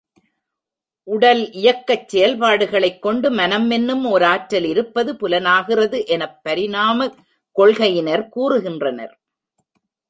உடல் இயக்கச் செயல்பாடுகளைக் கொண்டு, மனம் என்னும் ஓர் ஆற்றல் இருப்பது புலனாகிறது எனப் பரிணாமக் கொள்கையினர் கூறுகின்றனர்.